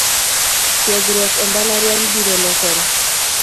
Tiegruok embalariany biro lokore